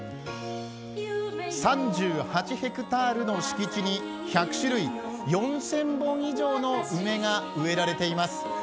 ３８ｈａの敷地に１００種類、４０００本以上の梅が植えられています。